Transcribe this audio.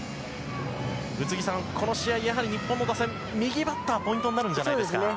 宇津木さん、この試合、やはり日本の打線右バッターがポイントになるんじゃないですか。